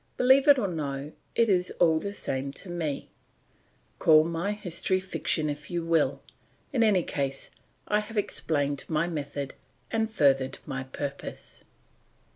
Believe it or no, it is all the same to me; call my history fiction if you will; in any case I have explained my method and furthered my purpose.